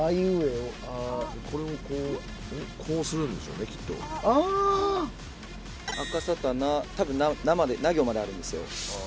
おこれがこうこうするんでしょうねきっとあかさたな多分な行まであるんですよ